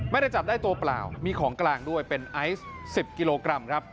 ไม่ได้จับได้ตัวเปล่ามีของกลางด้วยเป็นไอซ์๑๐กิโลกรัมครับ